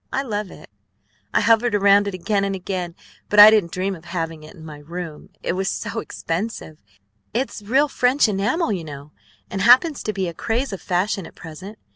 I love it. I hovered around it again and again; but I didn't dream of having it in my room, it was so expensive. It's real French enamel, you know, and happens to be a craze of fashion at present.